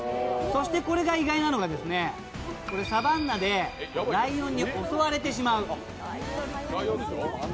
そして意外なのがサバンナでライオンに襲われてしまう。